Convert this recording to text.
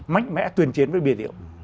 mạnh mẽ tuyên chiến với bia rượu